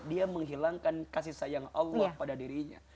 dia menghilangkan kasih sayang allah pada dirinya